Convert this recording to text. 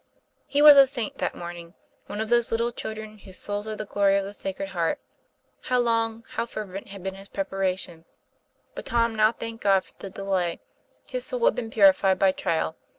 TOM PLA YFAIR. 243 He was a saint that morning one of those little children whose souls are the glory of the Sacred Heart. How long, how fervent, had been his prepa ration! But Tom now thanked God for the delay. His soul had been purified by trial.